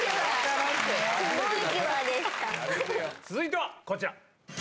続いてはこちら。